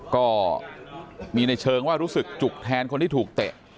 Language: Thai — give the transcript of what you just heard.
ก็มีในเชิงว่ารู้สึกจุกแทนคนที่ถูกเตะ